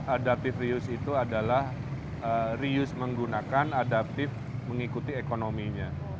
adaptive reuse itu adalah riuse menggunakan adaptif mengikuti ekonominya